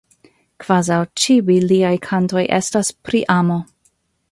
Kvazaŭ ĉiuj liaj kantoj estas pri amo.